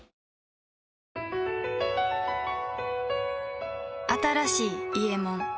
あ新しい「伊右衛門」